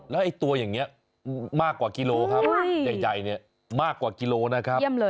แล้วไอ้ตัวอย่างนี้มากกว่ากิโลครับใหญ่เนี่ยมากกว่ากิโลนะครับ